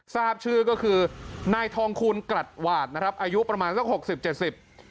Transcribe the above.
ทราบชื่อก็คือนายทองคูณกลัดหวาดนะครับอายุประมาณสักหกสิบเจ็ดสิบ